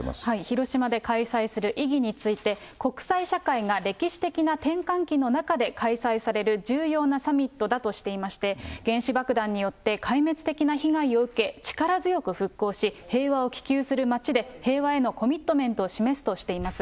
広島で開催する意義について、国際社会が歴史的な転換期の中で開催される重要なサミットだとしていまして、原子爆弾によって壊滅的な被害を受け、力強く復興し、平和を希求する街で、平和へのコミットメントを示すとしています。